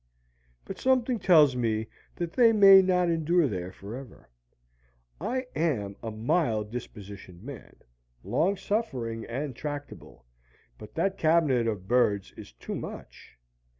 But something tells me that they may not endure there forever. I am a mild dispositioned man, long suffering, and tractable; but that cabinet of birds is too much.